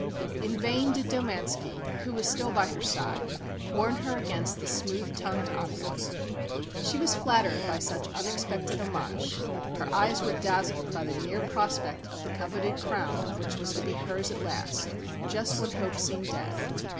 In vain did Domanski, who was still by her side, warn her against the smooth tongued envoy. She was flattered by such unexpected homage, her eyes were dazzled by the near prospect of the coveted crown which was to be hers, at last, just when hope seemed dead.